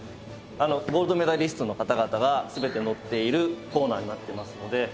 ゴールドメダリストの方々が全て載っているコーナーになっていますので。